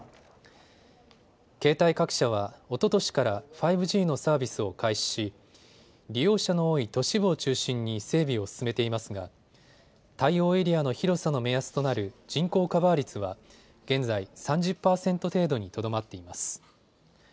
携帯各社はおととしから５Ｇのサービスを開始し利用者の多い都市部を中心に整備を進めていますが対応エリアの広さの目安となる人口カバー率は現在、３０％程度にとどまっています。